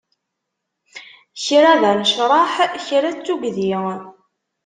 Kra d anecreḥ, kra d tugdi.